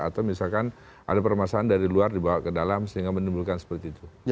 atau misalkan ada permasalahan dari luar dibawa ke dalam sehingga menimbulkan seperti itu